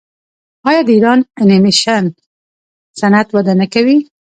آیا د ایران انیمیشن صنعت وده نه کوي؟